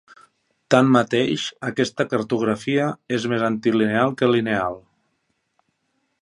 Tanmateix, aquesta cartografia és més antilineal que lineal.